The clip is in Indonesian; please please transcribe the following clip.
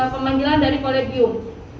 panggilan dari kolegium